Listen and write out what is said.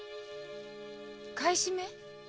買い占め？